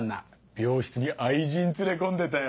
病室に愛人連れ込んでたよ。